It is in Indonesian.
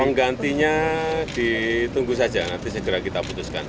penggantinya ditunggu saja nanti segera kita putuskan